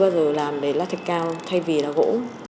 bao giờ làm để là hình ảnh cao thay vì là gỗ